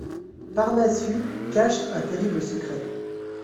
Parnassus cache un terrible secret.